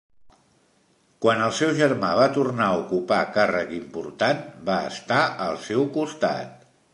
Quan el seu germà va tornar a ocupar càrrec important, va estar al seu costat.